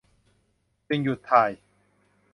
จึงหยุดถ่าย